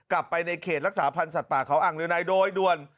กลับไปในเขตรักษาพันธ์สัตว์ป่าเขาอ่างลือในโดยด่วน